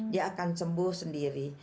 dia akan sembuh sendiri